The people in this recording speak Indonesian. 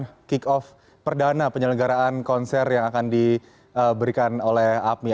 dengan kick off perdana penyelenggaraan konser yang akan diberikan oleh apmi